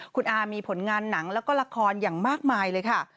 คุณอามีผลงานหนังแล้วก็ละครอย่างมากมายเลยค่ะ